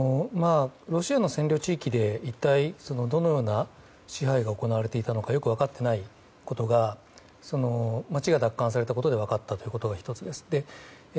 ロシアの占領地域で一体どのような支配が行われていたのかよく分かっていなかったことが街が奪還されたことで分かったということが１つです。